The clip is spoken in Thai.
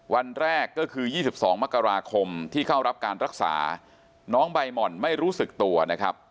วันแรกก็คือ๒๒มกราคมที่เข้ารับการรักษาน้องใบหม่อนไม่รู้สึกตัวนะครับ